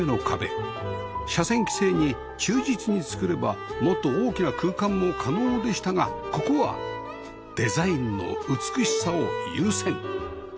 斜線規制に忠実に造ればもっと大きな空間も可能でしたがここはデザインの美しさを優先